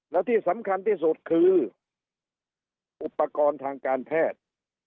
และที่สำคัญที่สุดคืออุปกรณ์ทางการแพทย์